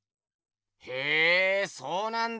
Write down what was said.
へえそうなんだ。